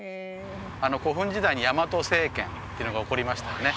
古墳時代に大和政権っていうのがおこりましたよね